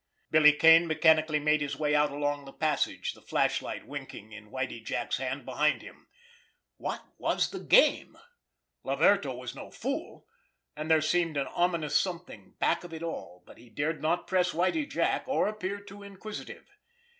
Billy Kane mechanically made his way out along the passage, the flashlight winking in Whitie Jack's hand behind him. What was the game? Laverto was no fool, and there seemed an ominous something back of it all, but he dared not press Whitie Jack, or appear too inquisitive.